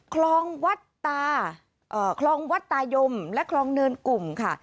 คลองวัดตาคลองวัดตายมและคลองเนินกลุ่มค่ะ